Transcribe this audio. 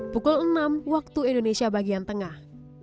pukul enam waktu indonesia bagian tengah